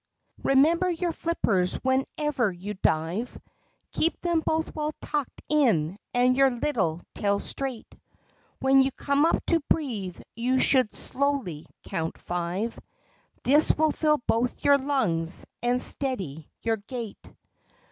"Remember your flippers whenever you dive; Keep them both well tucked in and your little tail straight; When you come up to breathe, you should slowly count five, This will fill both your lungs and steady your gait."